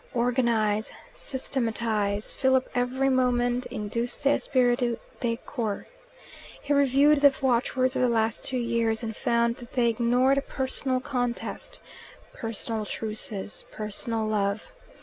"Organize." "Systematize." "Fill up every moment," "Induce esprit de corps." He reviewed the watchwords of the last two years, and found that they ignored personal contest, personal truces, personal love.